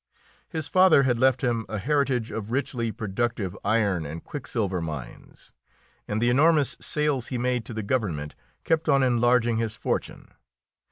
His father had left him a heritage of richly productive iron and quicksilver mines, and the enormous sales he made to the government kept on enlarging his fortune.